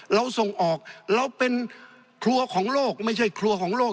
เราส่งออกเราเป็นครัวของโลกไม่ใช่ครัวของโลก